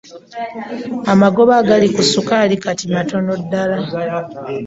Amagoba agali ku ssukaali kati matono ddala.